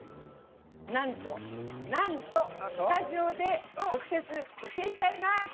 なんと、なんとスタジオで直接教えちゃいます。